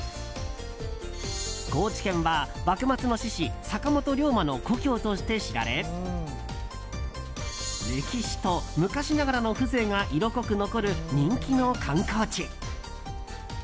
高知県は幕末の志士坂本龍馬の故郷として知られ歴史と昔ながらの風情が色濃く残る、人気の観光地。